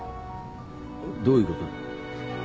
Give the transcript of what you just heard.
どういうことだ？